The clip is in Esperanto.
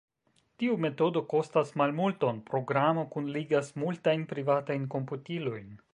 Tiu metodo kostas malmulton: Programo kunligas multajn privatajn komputilojn.